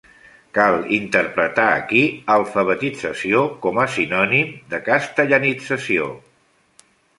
Cal interpretar aquí alfabetització com a sinònim de castellanització.